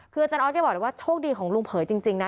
คืออาจารย์ออสแกบอกเลยว่าโชคดีของลุงเผยจริงนะ